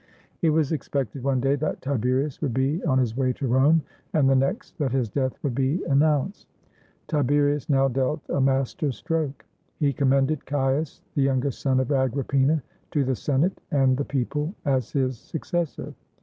It was expected one day that Tiberius would be on his way to Rome, and the next that his death would be an nounced. Tiberius now dealt a master stroke. He commended Caius, the youngest son of Agrippina, to the Senate and the people, as his successor.